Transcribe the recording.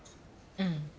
うん。